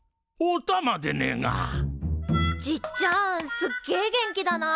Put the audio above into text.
すっげえ元気だな。